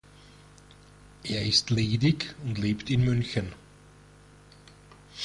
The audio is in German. Er ist ledig und lebt in München.